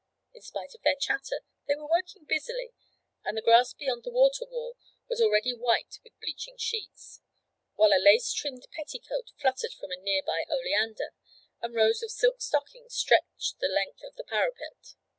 In spite of their chatter they were working busily, and the grass beyond the water wall was already white with bleaching sheets, while a lace trimmed petticoat fluttered from a near by oleander, and rows of silk stockings stretched the length of the parapet.